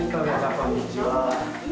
こんにちは。